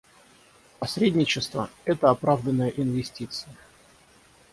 Посредничество — это оправданная инвестиция.